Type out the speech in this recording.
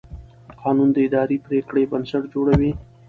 قانون د اداري پرېکړو بنسټ جوړوي.